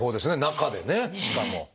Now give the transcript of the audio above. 中でねしかも。